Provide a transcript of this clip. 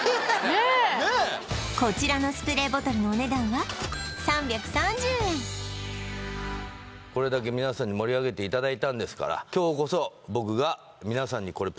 ねえこちらのスプレーボトルのお値段はこれだけ皆さんに盛り上げていただいたんですからえっ・